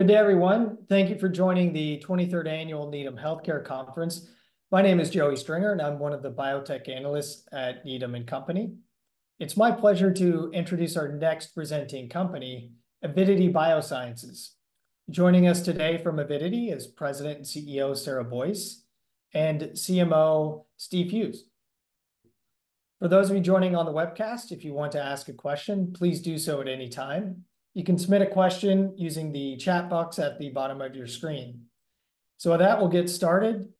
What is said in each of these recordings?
Good day everyone. Thank you for joining the 23rd Annual Needham Healthcare Conference. My name is Joey Stringer, and I'm one of the biotech analysts at Needham and Company. It's my pleasure to introduce our next presenting company, Avidity Biosciences. Joining us today from Avidity is President and CEO, Sarah Boyce, and CMO Steve Hughes. For those of you joining on the webcast, if you want to ask a question, please do so at any time. You can submit a question using the chat box at the bottom of your screen. So with that, we'll get started.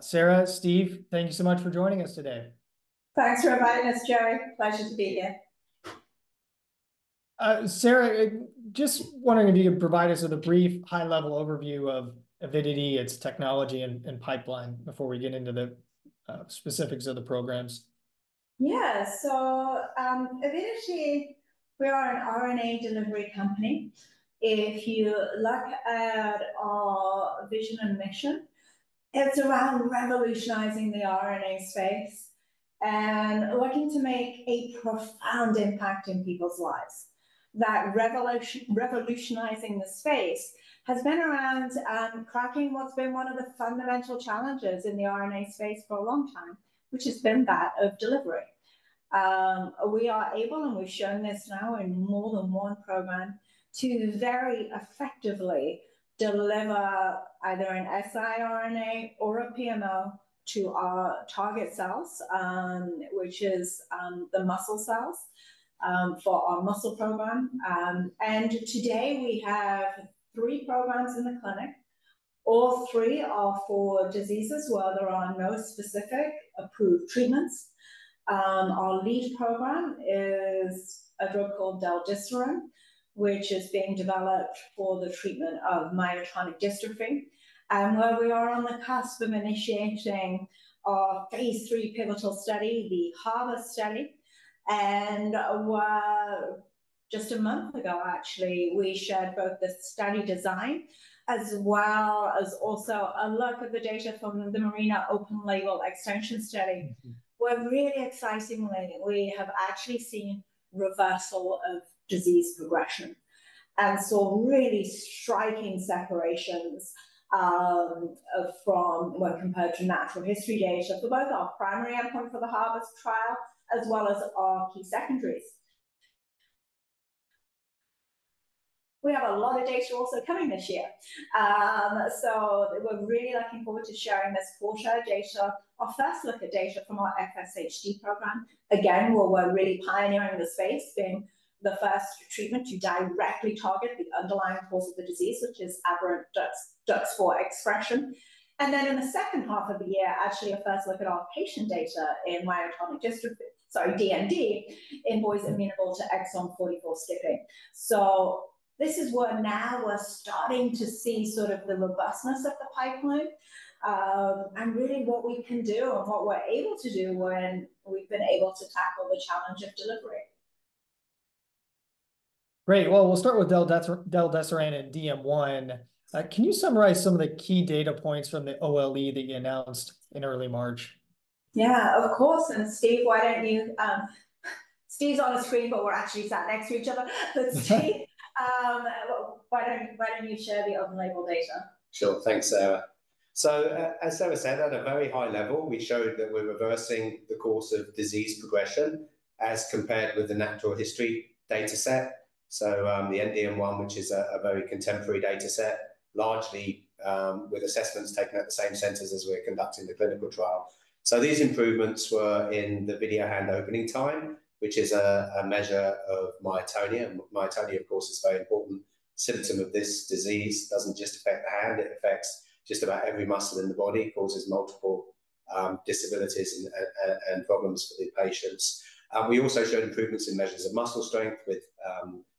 Sarah, Steve, thank you so much for joining us today. Thanks for inviting us, Joey. Pleasure to be here. Sarah, just wondering if you could provide us with a brief, high-level overview of Avidity, its technology, and pipeline before we get into the specifics of the programs? Yeah. So, Avidity, we are an RNA delivery company. If you look at our vision and mission, it's around revolutionizing the RNA space and looking to make a profound impact in people's lives. That revolution, revolutionizing the space has been around, cracking what's been one of the fundamental challenges in the RNA space for a long time, which has been that of delivery. We are able, and we've shown this now in more than one program, to very effectively deliver either an siRNA or a PMO to our target cells, which is, the muscle cells, for our muscle program. And today we have three programs in the clinic. All three are for diseases where there are no specific approved treatments. Our lead program is a drug called del-desiran, which is being developed for the treatment of myotonic dystrophy, and where we are on the cusp of initiating our phase III pivotal study, the HARBOR study. Just a month ago, actually, we shared both the study design as well as also a look at the data from the MARINA open-label extension study, where really excitingly, we have actually seen reversal of disease progression and saw really striking separations, from when compared to natural history data for both our primary endpoint for the HARBOR trial, as well as our key secondaries. We have a lot of data also coming this year. So we're really looking forward to sharing this full set of data. Our first look at data from our FSHD program. Again, where we're really pioneering the space, being the first treatment to directly target the underlying cause of the disease, which is aberrant DUX, DUX4 expression. And then in the second half of the year, actually, a first look at our patient data in myotonic dystrophy, sorry, DMD, in boys amenable to exon 44 skipping. So this is where now we're starting to see sort of the robustness of the pipeline, and really what we can do and what we're able to do when we've been able to tackle the challenge of delivery. Great. Well, we'll start with del-desiran and DM1. Can you summarize some of the key data points from the OLE that you announced in early March? Yeah, of course. And Steve, why don't you, Steve's on a screen, but we're actually sat next to each other. So Steve, why don't, why don't you share the open label data? Sure. Thanks, Sarah. So as Sarah said, at a very high level, we showed that we're reversing the course of disease progression as compared with the natural history dataset. So, the END-DM1, which is a very contemporary dataset, largely, with assessments taken at the same centers as we're conducting the clinical trial. So these improvements were in the video hand opening time, which is a measure of myotonia. And myotonia, of course, is a very important symptom of this disease. Doesn't just affect the hand, it affects just about every muscle in the body, causes multiple disabilities and problems for the patients. We also showed improvements in measures of muscle strength with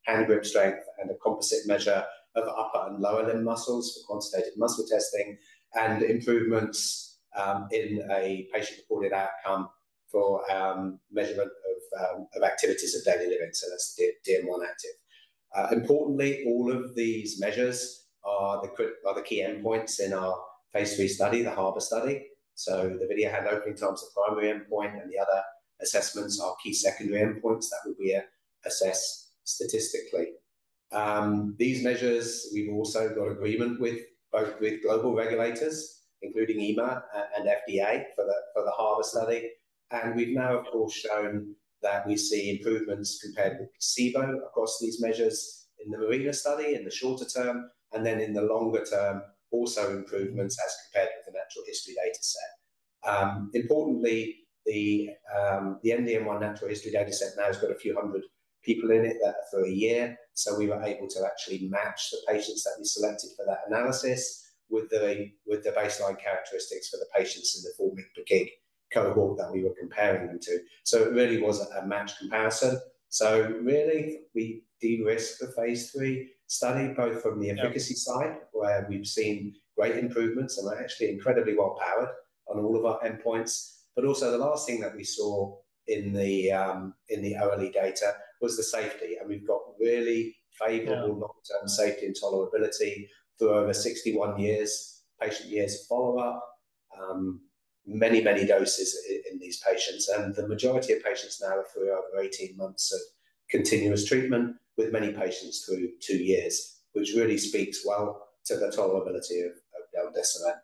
hand grip strength and a composite measure of upper and lower limb muscles for quantitative muscle testing and improvements in a patient-reported outcome for measurement of activities of daily living. So that's DM1-Activ. Importantly, all of these measures are the key endpoints in our phase III study, the HARBOR Study. So the video hand opening time is the primary endpoint, and the other assessments are key secondary endpoints that will be assessed statistically. These measures, we've also got agreement with both global regulators, including EMA and FDA, for the HARBOR Study. We've now, of course, shown that we see improvements compared with placebo across these measures in the MARINA study in the shorter term, and then in the longer term, also improvements as compared with the natural history dataset. Importantly, the DM1 natural history dataset now has got a few hundred people in it that are for a year. So we were able to actually match the patients that we selected for that analysis with the baseline characteristics for the patients in the full END-DM1 cohort that we were comparing them to. So really, we de-risked the phase III study, both from the- Yeah -efficacy side, where we've seen great improvements and are actually incredibly well powered on all of our endpoints. But also, the last thing that we saw in the OLE data was the safety, and we've got really favorable- Yeah -long-term safety and tolerability for over 61 patient years of follow-up. Many, many doses in these patients, and the majority of patients now are through over 18 months of continuous treatment, with many patients through 2 years, which really speaks well to the tolerability of del-desiran.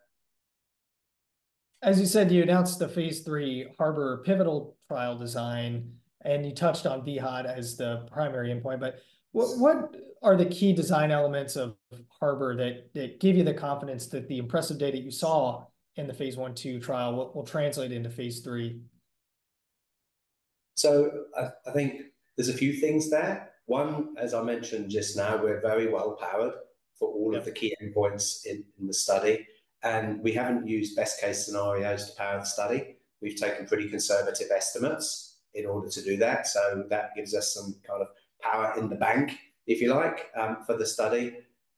As you said, you announced the Phase 3 HARBOR pivotal trial design, and you touched on vHOT as the primary endpoint. But what are the key design elements of HARBOR that give you the confidence that the impressive data you saw in the Phase 1/2 trial will translate into Phase 3? So I think there's a few things there. One, as I mentioned just now, we're very well powered for all of the key endpoints in the study, and we haven't used best case scenarios to power the study. We've taken pretty conservative estimates in order to do that, so that gives us some kind of power in the bank, if you like, for the study.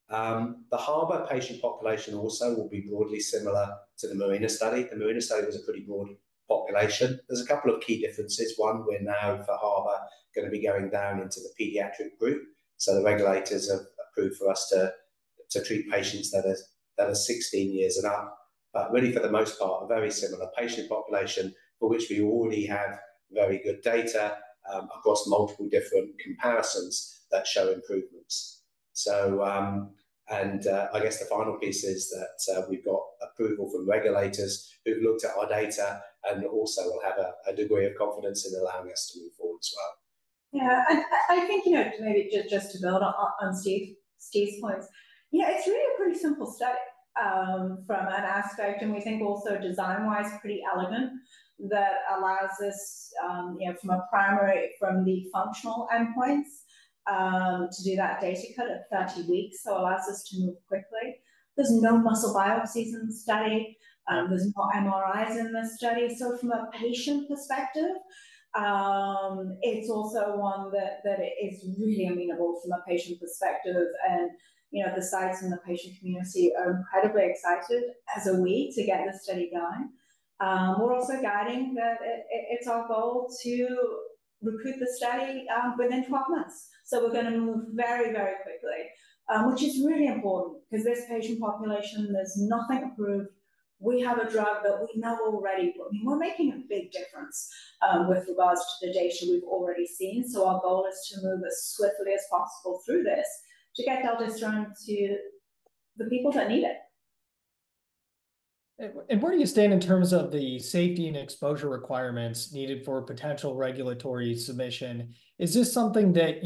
The HARBOR patient population also will be broadly similar to the MARINA study. The MARINA study was a pretty broad population. There's a couple of key differences. One, we're now, for HARBOR, going to be going down into the pediatric group, so the regulators have approved for us to treat patients that are 16 years and up. But really, for the most part, a very similar patient population, for which we already have very good data, across multiple different comparisons that show improvements. So, I guess the final piece is that we've got approval from regulators who've looked at our data and also will have a degree of confidence in allowing us to move forward as well. Yeah, I think, you know, maybe just, just to build on Steve's points. Yeah, it's really a pretty simple study from that aspect, and we think also design-wise, pretty elegant. That allows us, you know, from a primary, from the functional endpoints, to do that data cut at 30 weeks, so allows us to move quickly. There's no muscle biopsies in the study. There's no MRIs in the study. So from a patient perspective, it's also one that, that is really amenable from a patient perspective. And, you know, the sites and the patient community are incredibly excited as are we to get this study going. We're also guiding that it's our goal to recruit the study within 12 months. So we're going to move very, very quickly, which is really important because this patient population, there's nothing approved. We have a drug that we know already. I mean, we're making a big difference, with regards to the data we've already seen. So our goal is to move as swiftly as possible through this to get del-desiran to the people that need it. And where do you stand in terms of the safety and exposure requirements needed for potential regulatory submission? Is this something that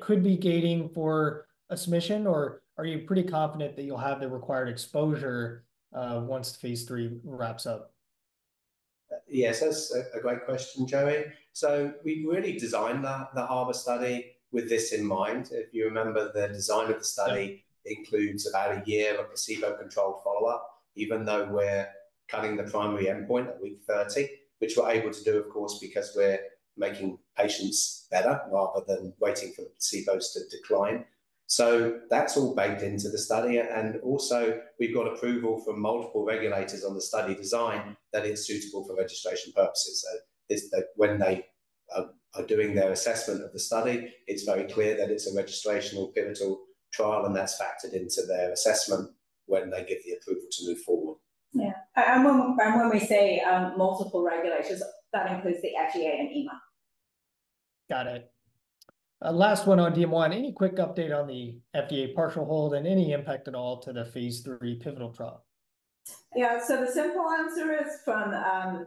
could be gating for a submission, or are you pretty confident that you'll have the required exposure once phase III wraps up? Yes, that's a great question, Joey. So we really designed the HARBOR study with this in mind. If you remember, the design of the study- Yeah -includes about 1 year of a placebo-controlled follow-up, even though we're cutting the primary endpoint at week 30, which we're able to do, of course, because we're making patients better, rather than waiting for the placebos to decline. So that's all baked into the study, and also we've got approval from multiple regulators on the study design that is suitable for registration purposes. So is that when they are doing their assessment of the study, it's very clear that it's a registrational pivotal trial, and that's factored into their assessment when they give the approval to move forward. Yeah, and when we say multiple regulators, that includes the FDA and EMA. Got it. Last one on DM1. Any quick update on the FDA partial hold and any impact at all to the phase III pivotal trial? Yeah. So the simple answer is, from the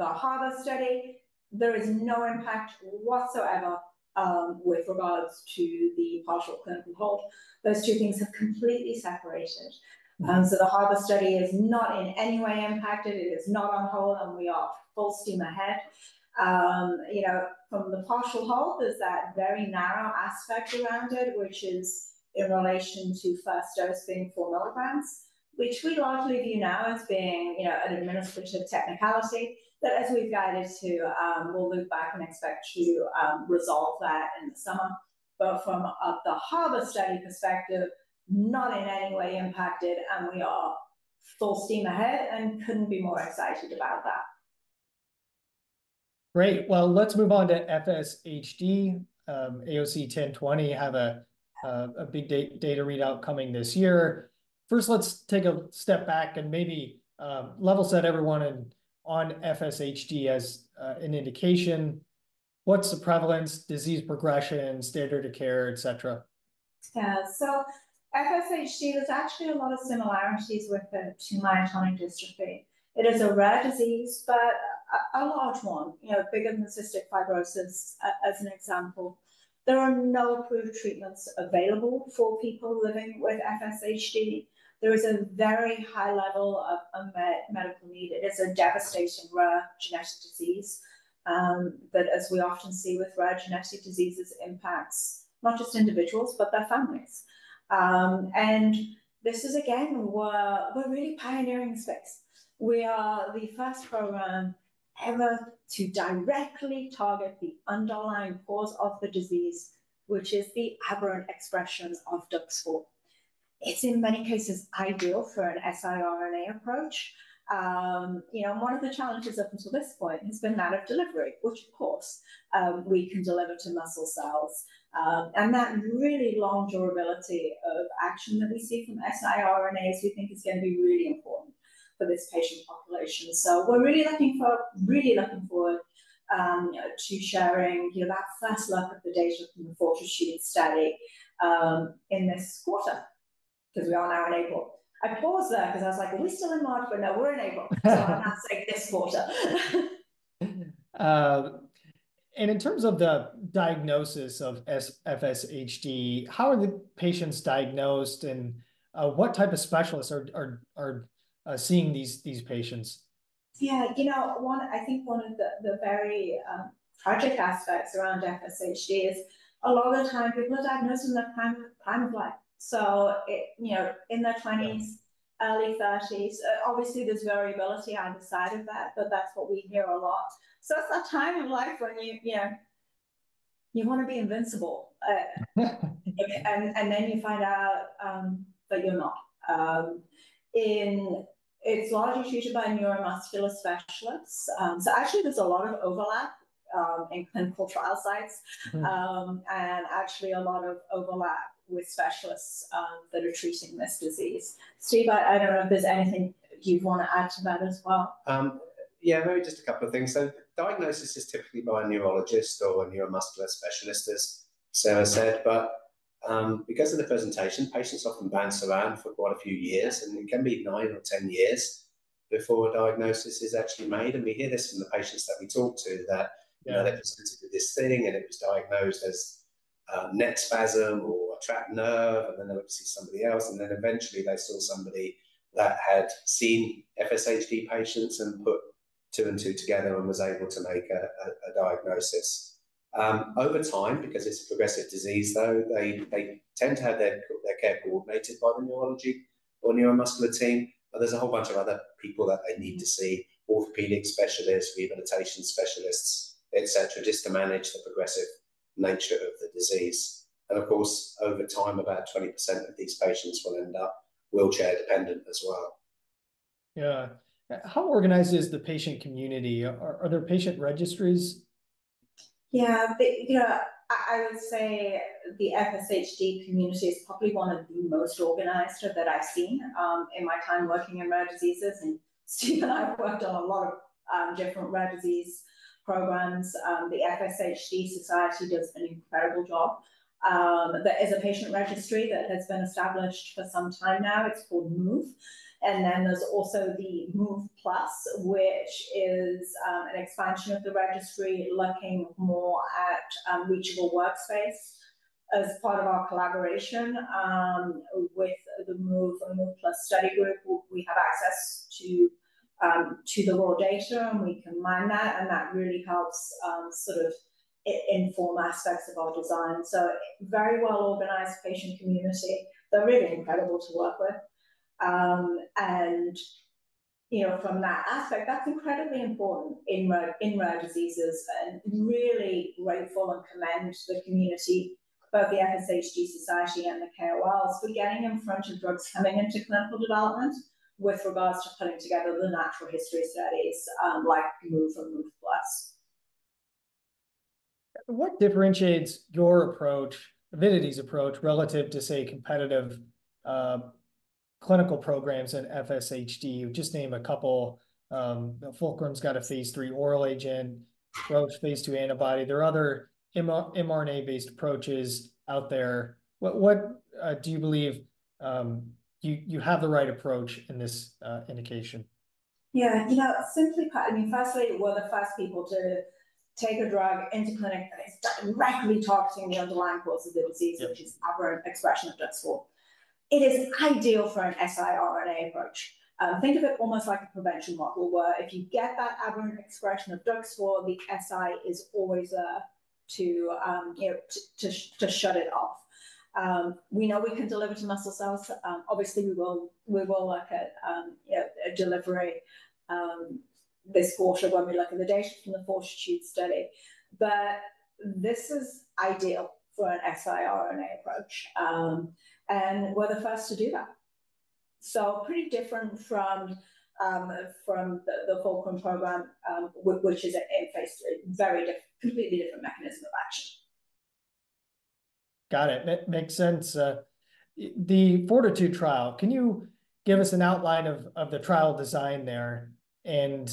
HARBOR study, there is no impact whatsoever with regards to the partial clinical hold. Those two things have completely separated. So the HARBOR study is not in any way impacted. It is not on hold, and we are full steam ahead. You know, from the partial hold, there's that very narrow aspect around it, which is in relation to first dose being 4 milligrams, which we largely view now as being, you know, an administrative technicality, that as we've guided to, we'll look back and expect to resolve that in the summer. But from the HARBOR study perspective, not in any way impacted, and we are full steam ahead and couldn't be more excited about that. Great! Well, let's move on to FSHD. AOC 1020 have a big data readout coming this year. First, let's take a step back and maybe level set everyone in on FSHD as an indication. What's the prevalence, disease progression, standard of care, et cetera? Yeah. So FSHD, there's actually a lot of similarities with the, to myotonic dystrophy. It is a rare disease, but a large one, you know, bigger than cystic fibrosis, as an example. There are no approved treatments available for people living with FSHD. There is a very high level of medical need. It is a devastating, rare genetic disease, that, as we often see with rare genetic diseases, impacts not just individuals, but their families. And this is again, where we're really pioneering space. We are the first program ever to directly target the underlying cause of the disease, which is the aberrant expression of DUX4. It's in many cases ideal for an siRNA approach. You know, one of the challenges up until this point has been that of delivery, which of course, we can deliver to muscle cells. and that really long durability of action that we see from siRNAs, we think is going to be really important for this patient population. So we're really looking forward, you know, to sharing, you know, our first look at the data from the FORTITUDE study in this quarter, because we are now in April. I paused there because I was like, "Are we still in March?" But no, we're in April. So I have to say this quarter. And in terms of the diagnosis of FSHD, how are the patients diagnosed, and what type of specialists are seeing these patients? Yeah, you know, I think one of the very tragic aspects around FSHD is a lot of the time people are diagnosed in their prime, prime of life. So, it, you know, in their twenties- Yeah -early thirties. Obviously, there's variability either side of that, but that's what we hear a lot. So it's that time of life when you, you know, you want to be invincible. And, and then you find out that you're not. It's largely treated by neuromuscular specialists. So actually there's a lot of overlap in clinical trial sites. Mm. Actually, a lot of overlap with specialists that are treating this disease. Steve, I don't know if there's anything you'd want to add to that as well. Yeah, maybe just a couple of things. So diagnosis is typically by a neurologist or a neuromuscular specialist, as Sarah said. But, because of the presentation, patients often bounce around for quite a few years, and it can be 9 or 10 years before a diagnosis is actually made. And we hear this from the patients that we talk to, that- Yeah -you know, they presented with this thing, and it was diagnosed as neck spasm or a trapped nerve, and then they went to see somebody else, and then eventually they saw somebody that had seen FSHD patients and put two and two together and was able to make a diagnosis. Over time, because it's a progressive disease, though, they tend to have their care coordinated by the neurology or neuromuscular team. But there's a whole bunch of other people that they need to see: orthopedic specialists, rehabilitation specialists, et cetera, just to manage the progressive nature of the disease. And of course, over time, about 20% of these patients will end up wheelchair dependent as well. Yeah. How organized is the patient community? Are there patient registries? Yeah. Yeah, I would say the FSHD community is probably one of the most organized that I've seen, in my time working in rare diseases, and Steve and I have worked on a lot of, different rare disease programs. The FSHD Society does an incredible job. There is a patient registry that has been established for some time now. It's called MOVE. And then there's also the MOVE+, which is, an expansion of the registry, looking more at, reachable workspace. As part of our collaboration, with the MOVE and MOVE+ study group, we have access to, to the raw data, and we can mine that, and that really helps, sort of inform aspects of our design. So very well-organized patient community. They're really incredible to work with. You know, from that aspect, that's incredibly important in rare diseases, and really grateful and commend the community, both the FSHD Society and the KOLs, for getting in front of drugs coming into clinical development with regards to putting together the natural history studies, like MOVE and MOVE+. What differentiates your approach, Avidity's approach, relative to, say, competitive clinical programs in FSHD? Just name a couple. Fulcrum's got a phase III oral agent, Roche, phase II antibody. There are other mRNA-based approaches out there. What do you believe you have the right approach in this indication? Yeah, you know, simply put, I mean, firstly, we're the first people to take a drug into clinic that is directly targeting the underlying cause of the disease, which is aberrant expression of DUX4. It is ideal for an siRNA approach. Think of it almost like a prevention model, where if you get that aberrant expression of DUX4, the si is always there to shut it off. We know we can deliver to muscle cells. Obviously, we will look at, you know, delivery this quarter when we look at the data from the FORTITUDE study. But this is ideal for an siRNA approach. And we're the first to do that. So pretty different from the Fulcrum program, which is in phase III. Very different - completely different mechanism of action. Got it. Makes sense. The FORTITUDE trial, can you give us an outline of the trial design there? And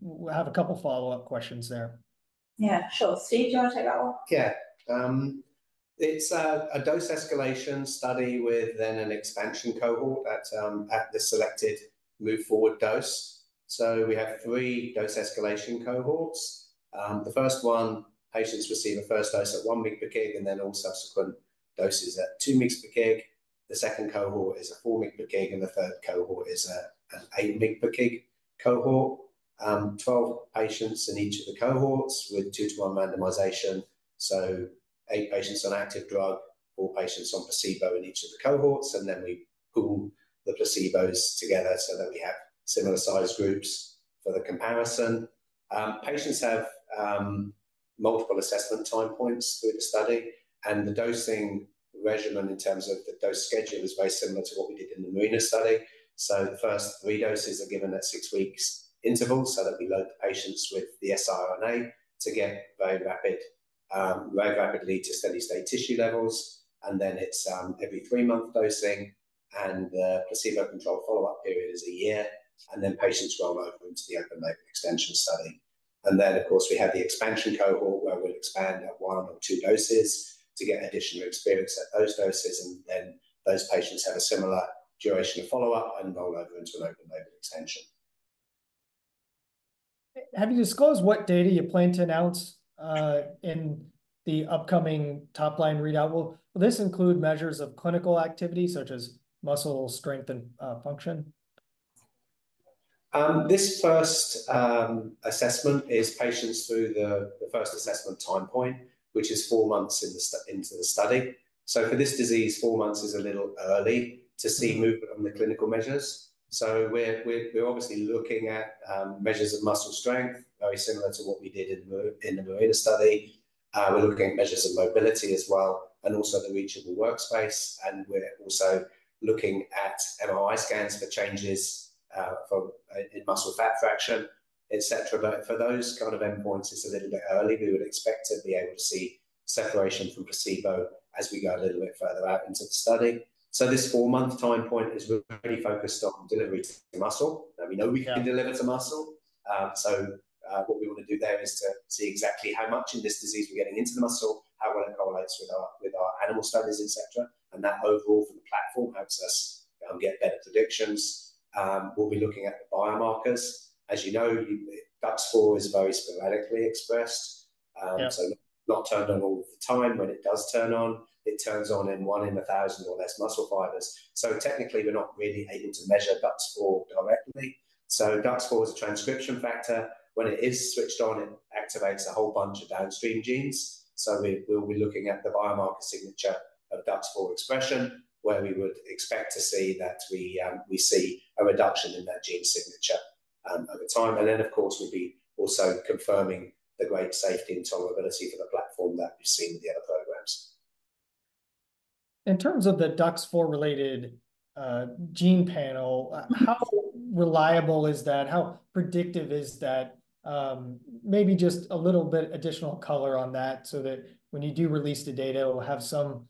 we'll have a couple follow-up questions there. Yeah, sure. Steve, do you want to take that one? Yeah. It's a dose escalation study with then an expansion cohort at the selected move forward dose. So we have 3 dose escalation cohorts. The first one, patients receive a first dose at 1 mg per kg, and then all subsequent doses at 2 mg per kg. The second cohort is a 4 mg per kg, and the third cohort is an 8 mg per kg cohort. 12 patients in each of the cohorts with 2:1 randomization, so 8 patients on active drug, 4 patients on placebo in each of the cohorts, and then we pool the placebos together so that we have similar size groups for the comparison. Patients have multiple assessment time points through the study, and the dosing regimen in terms of the dose schedule is very similar to what we did in the MARINA study. So the first three doses are given at 6-week interval, so that we load the patients with the siRNA to get very rapidly to steady state tissue levels, and then it's every 3-month dosing, and the placebo-controlled follow-up period is a year, and then patients roll over into the open-label extension study. And then, of course, we have the expansion cohort, where we'll expand at 1 or 2 doses to get additional experience at those doses, and then those patients have a similar duration of follow-up and roll over into an open-label extension. Have you disclosed what data you plan to announce in the upcoming top-line readout? Will this include measures of clinical activity, such as muscle strength and function? This first assessment is patients through the first assessment time point, which is 4 months into the study. So for this disease, 4 months is a little early to see movement on the clinical measures. So we're obviously looking at measures of muscle strength, very similar to what we did in the MARINA study. We're looking at measures of mobility as well, and also the reachable workspace, and we're also looking at MRI scans for changes in muscle fat fraction, etc. But for those kind of endpoints, it's a little bit early. We would expect to be able to see separation from placebo as we go a little bit further out into the study. So this 4-month time point is really focused on delivery to the muscle. Now, we know we can deliver to muscle. Yeah. So, what we want to do there is to see exactly how much in this disease we're getting into the muscle, how well it correlates with our, with our animal studies, et cetera, and that overall for the platform helps us get better predictions. We'll be looking at the biomarkers. As you know, DUX4 is very sporadically expressed. Yeah. So not turned on all of the time. When it does turn on, it turns on in one in a thousand or less muscle fibers. So technically, we're not really able to measure DUX4 directly. So DUX4 is a transcription factor. When it is switched on, it activates a whole bunch of downstream genes. So we, we'll be looking at the biomarker signature of DUX4 expression, where we would expect to see that we, we see a reduction in that gene signature, over time. And then, of course, we'll be also confirming the great safety and tolerability for the platform that we've seen with the other programs. In terms of the DUX4-related gene panel, how reliable is that? How predictive is that? Maybe just a little bit additional color on that so that when you do release the data, we'll have some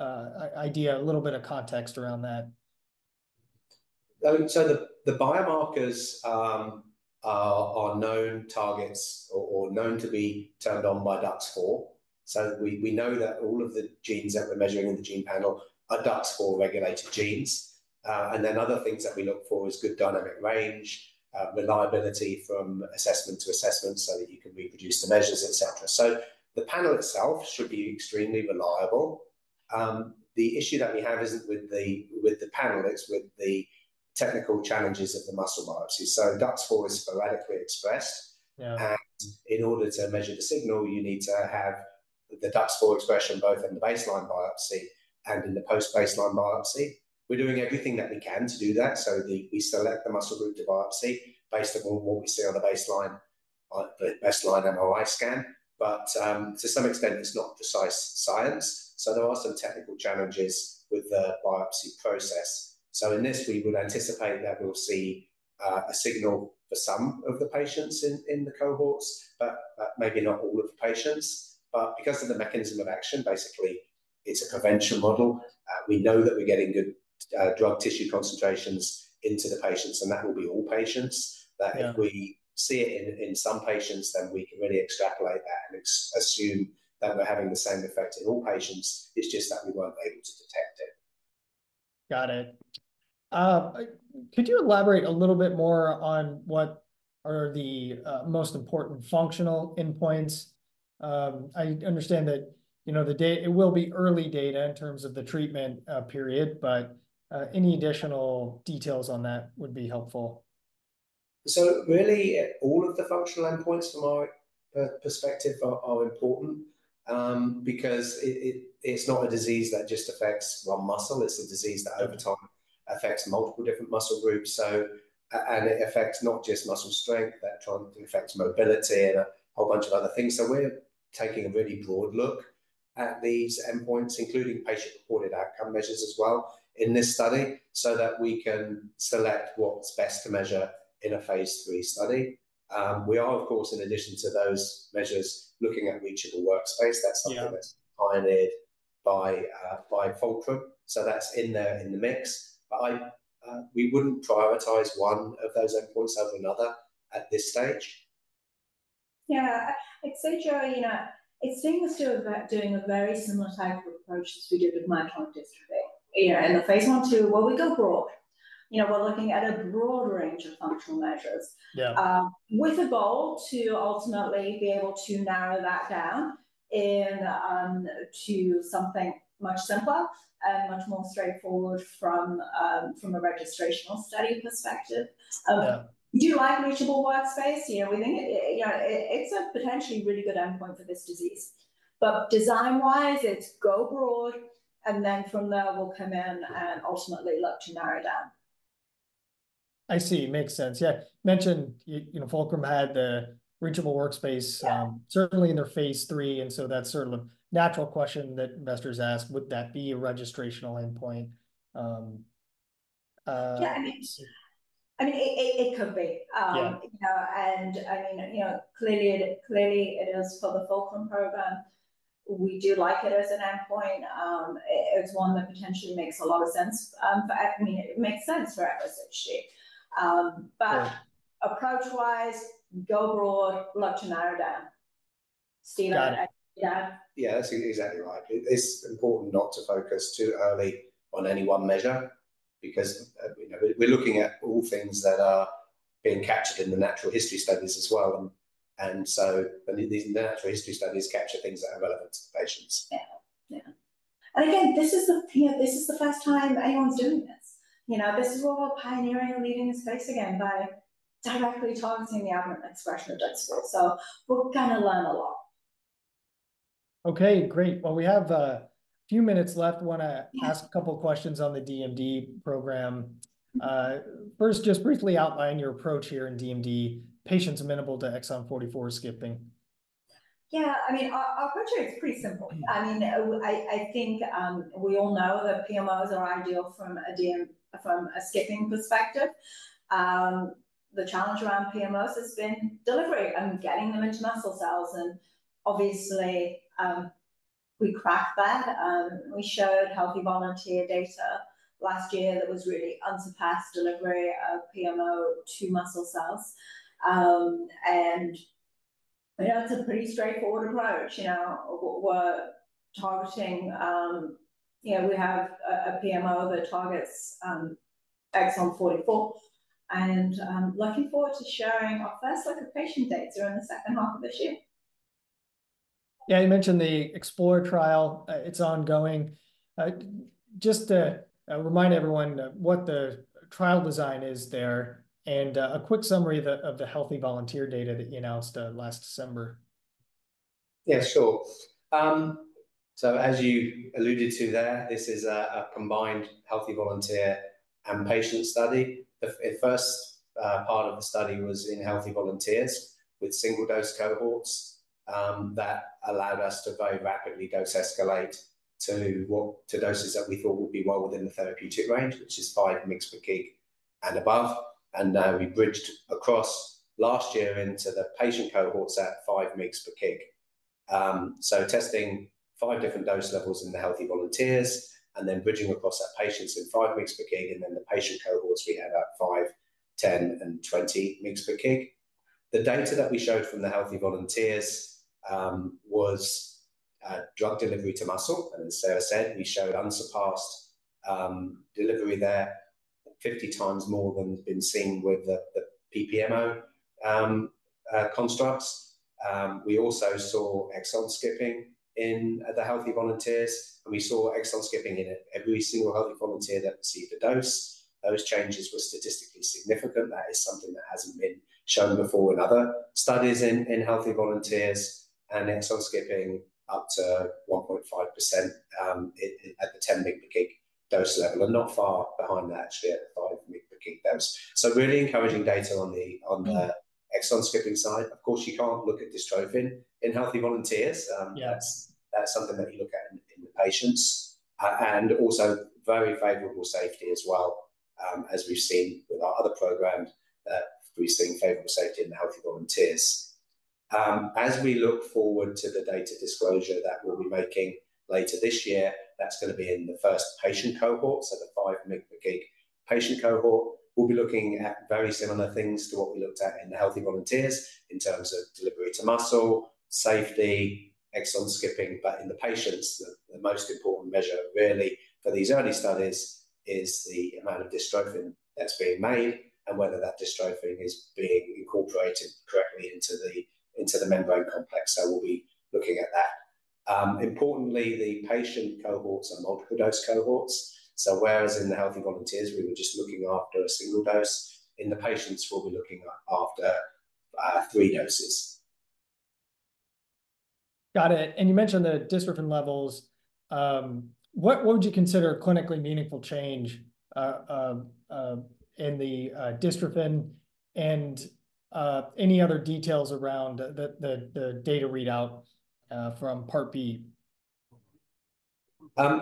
idea, a little bit of context around that. So the biomarkers are known targets or known to be turned on by DUX4. So we know that all of the genes that we're measuring in the gene panel are DUX4-regulated genes. And then other things that we look for is good dynamic range, reliability from assessment to assessment, so that you can reproduce the measures, et cetera. So the panel itself should be extremely reliable. The issue that we have isn't with the panel, it's with the technical challenges of the muscle biopsies. So DUX4 is sporadically expressed. Yeah. In order to measure the signal, you need to have the DUX4 expression both in the baseline biopsy and in the post-baseline biopsy. We're doing everything that we can to do that, so we select the muscle group to biopsy based on what we see on the baseline, the baseline MRI scan. To some extent, it's not precise science, so there are some technical challenges with the biopsy process. In this, we would anticipate that we'll see a signal for some of the patients in the cohorts, but maybe not all of the patients. Because of the mechanism of action, basically, it's a prevention model. We know that we're getting good drug tissue concentrations into the patients, and that will be all patients. Yeah. But if we see it in some patients, then we can really extrapolate that and assume that we're having the same effect in all patients. It's just that we weren't able to detect it. Got it. Could you elaborate a little bit more on what are the most important functional endpoints? I understand that, you know, it will be early data in terms of the treatment period, but any additional details on that would be helpful. So really, all of the functional endpoints from our perspective are important, because it's not a disease that just affects one muscle. It's a disease that over time affects multiple different muscle groups. And it affects not just muscle strength, but it affects mobility and a whole bunch of other things. So we're taking a really broad look at these endpoints, including patient-reported outcome measures as well in this study, so that we can select what's best to measure in a phase III study. We are, of course, in addition to those measures, looking at reachable workspace. Yeah. That's something that's pioneered by, by Fulcrum. So that's in there in the mix, but I, we wouldn't prioritize one of those endpoints over another at this stage. Yeah, I'd say, Joe, you know, it's similar to doing a very similar type of approach as we did with myotonic dystrophy. You know, in the phase I/2, well, we go broad. You know, we're looking at a broad range of functional measures- Yeah -with a goal to ultimately be able to narrow that down in, to something much simpler and much more straightforward from, from a registrational study perspective. Yeah. Do you like reachable workspace? You know, we think it, it's a potentially really good endpoint for this disease, but design-wise, it's go broad, and then from there, we'll come in and ultimately look to narrow down. I see. Makes sense. Yeah. Mentioned, you know, Fulcrum had the reachable workspace- Yeah -certainly in their phase III, and so that's sort of a natural question that investors ask: Would that be a registrational endpoint? Yeah, I mean, it could be. You know, and I mean, you know, clearly it is for the Fulcrum program, we do like it as an endpoint. It's one that potentially makes a lot of sense, for FSHD, actually. But- Yeah. approach-wise, go broad, look to narrow down. Steve- Yeah. Yeah? Yeah, that's exactly right. It's important not to focus too early on any one measure because, you know, we're looking at all things that are being captured in the natural history studies as well, and, and so, but these natural history studies capture things that are relevant to the patients. Yeah. Yeah. And again, this is the, you know, this is the first time anyone's doing this. You know, this is all pioneering, leading the space again by directly targeting the aberrant expression of DUX4. So we'll kind of learn a lot. Okay, great. Well, we have a few minutes left. Wanna- Yeah. Ask a couple questions on the DMD program. First, just briefly outline your approach here in DMD, patients amenable to exon 44 skipping. Yeah, I mean, our approach here is pretty simple. I mean, I think we all know that PMOs are ideal from a DMD, from a skipping perspective. The challenge around PMOs has been delivery and getting them into muscle cells, and obviously, we cracked that. We showed healthy volunteer data last year that was really unsurpassed delivery of PMO to muscle cells. You know, it's a pretty straightforward approach. You know, we're targeting, you know, we have a PMO that targets exon 44, and looking forward to sharing our first look at patient data in the second half of this year. Yeah, you mentioned the EXPLORE trial. It's ongoing. Just to remind everyone what the trial design is there, and a quick summary of the healthy volunteer data that you announced last December. Yeah, sure. So as you alluded to there, this is a combined healthy volunteer and patient study. The first part of the study was in healthy volunteers with single-dose cohorts that allowed us to very rapidly dose escalate to doses that we thought would be well within the therapeutic range, which is 5 mg per kg and above. And then we bridged across last year into the patient cohorts at 5 mg per kg. So testing five different dose levels in the healthy volunteers, and then bridging across our patients at 5 mg per kg, and then the patient cohorts, we had at 5, 10, and 20 mg per kg. The data that we showed from the healthy volunteers was drug delivery to muscle, and as Sarah said, we showed unsurpassed delivery there, 50 times more than has been seen with the PPMO constructs. We also saw exon skipping in the healthy volunteers, and we saw exon skipping in every single healthy volunteer that received a dose. Those changes were statistically significant. That is something that hasn't been shown before in other studies in healthy volunteers, and exon skipping up to 1.5% at the 10 mg per kg dose level, and not far behind that, actually, at the 5 mg per kg dose. So really encouraging data on the, on the- Mm-hmm. -exon skipping side. Of course, you can't look at dystrophin in healthy volunteers. Yeah. That's, that's something that you look at in, in the patients, and also very favorable safety as well, as we've seen with our other programs, we've seen favorable safety in the healthy volunteers. As we look forward to the data disclosure that we'll be making later this year, that's gonna be in the first patient cohort, so the 5 mg per kg patient cohort. We'll be looking at very similar things to what we looked at in the healthy volunteers in terms of delivery to muscle, safety, exon skipping. But in the patients, the most important measure, really, for these early studies is the amount of dystrophin that's being made and whether that dystrophin is being incorporated correctly into the membrane complex. So we'll be looking at that. Importantly, the patient cohorts are multiple dose cohorts. So whereas in the healthy volunteers, we were just looking after a single dose, in the patients, we'll be looking at after three doses. Got it. And you mentioned the dystrophin levels. What would you consider a clinically meaningful change in the dystrophin, and any other details around the data readout from Part B?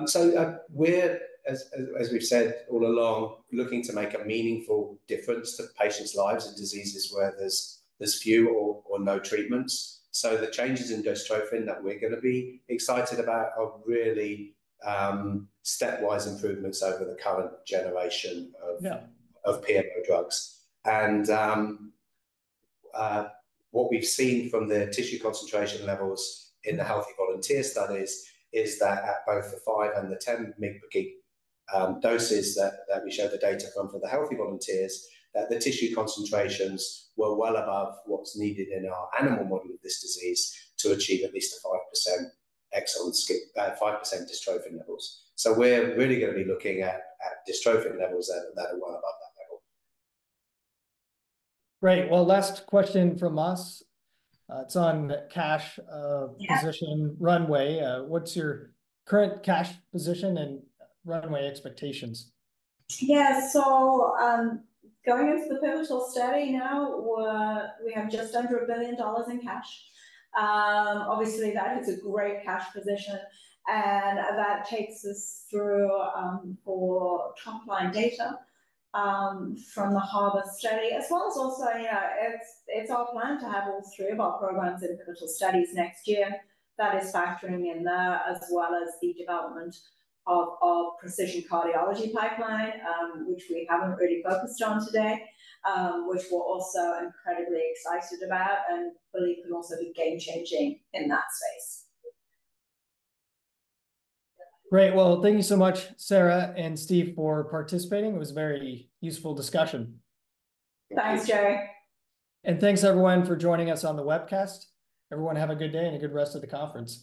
So, we're, as we've said all along, looking to make a meaningful difference to patients' lives and diseases where there's few or no treatments. So the changes in dystrophin that we're gonna be excited about are really stepwise improvements over the current generation of- Yeah -of PMO drugs. What we've seen from the tissue concentration levels in the healthy volunteer studies is that at both the 5 and the 10 mg per kg doses that we showed the data from for the healthy volunteers, that the tissue concentrations were well above what's needed in our animal model of this disease to achieve at least a 5% exon skip, 5% dystrophin levels. So we're really gonna be looking at dystrophin levels that are well above that level. Great. Well, last question from us, it's on cash- Yeah -position runway. What's your current cash position and runway expectations? Yeah. So, going into the pivotal study now, we have just under $1 billion in cash. Obviously, that is a great cash position, and that takes us through our top-line data from the HARBOR study, as well as also, you know, it's, it's our plan to have all three of our programs in pivotal studies next year. That is factoring in there, as well as the development of our precision cardiology pipeline, which we haven't really focused on today, which we're also incredibly excited about and believe can also be game-changing in that space. Great. Well, thank you so much, Sarah and Steve, for participating. It was a very useful discussion. Thanks, Joey. Thanks. Thanks, everyone, for joining us on the webcast. Everyone, have a good day and a good rest of the conference.